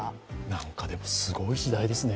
なんかでもすごい時代ですね。